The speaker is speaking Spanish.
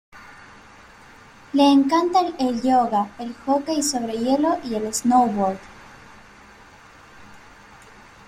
Le encanta el yoga, el hockey sobre hielo y el snowboard.